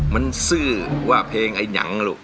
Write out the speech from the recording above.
มันซื่อว่าเพลงไอ้หนังลูก